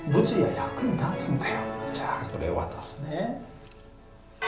じゃあこれ渡すね。